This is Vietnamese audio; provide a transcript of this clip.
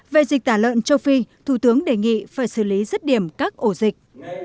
về dịch tả lợn châu phi thủ tướng đề nghị phải xử lý rứt điểm các ổ dịch